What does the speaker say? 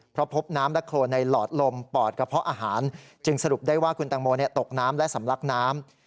เพราะพบน้ำและโครนในหลอดลมปอดกระเพาะอาหารจึงสรุปได้ว่าคุณตังโมตกน้ำและสำลักน้ำ